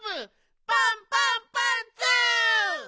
パンパンパンツー！